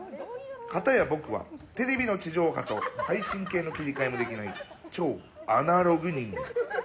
片や僕はテレビの地上波と配信系の切り替えもできない超アナログ人間。